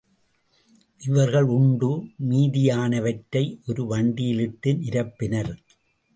இவர்கள் உண்டு மீதியானவற்றை ஒரு வண்டியில் இட்டு நிரப்பினர்.